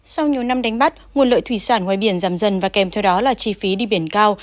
sau nhiều năm đánh bắt nguồn lợi thủy sản ngoài biển giảm dần và kèm theo đó là chi phí đi biển cao